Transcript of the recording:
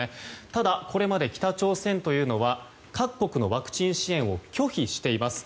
ただ、これまで北朝鮮というのは各国のワクチン支援を拒否しています。